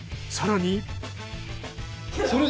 更に。